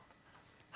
はい。